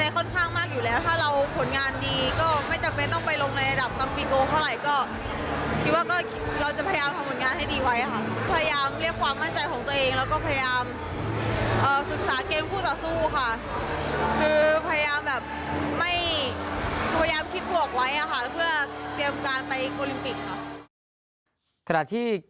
ขนาดที่